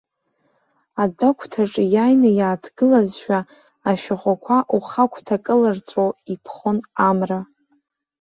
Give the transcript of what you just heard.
Адәагәҭаҿы иааины иааҭгылазшәа, ашәахәақәа ухагәҭа кылырҵәо иԥхон амра.